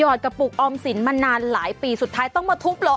กระปุกออมสินมานานหลายปีสุดท้ายต้องมาทุบเหรอ